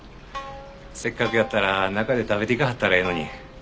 せっかくやったら中で食べていかはったらええのに。